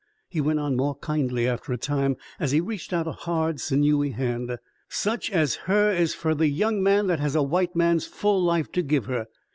He went on more kindly after a time, as he reached out a hard, sinewy hand. "Such as her is fer the young man that has a white man's full life to give her.